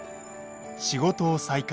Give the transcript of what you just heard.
仕事を再開。